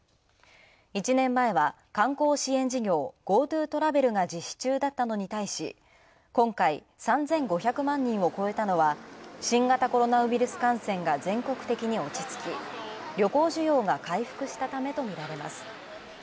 １年前は観光支援事業「ＧｏＴｏトラベル」が実施中だったのに対し今回、３５００万人を超えたのは新型コロナウイルス感染が全国的に落ち着き、旅行需要が回復したためとみられます。